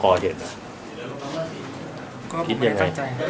ก็ไม่ได้ต้องใจ